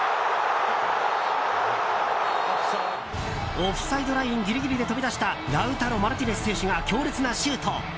オフサイドラインギリギリで飛び出したラウタロ・マルティネス選手が強烈なシュート。